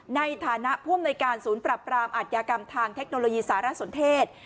ในฐานะผู้อำนวยการศูนย์ปรับปรามอัธยากรรมทางเทคโนโลยีสารสนเทศ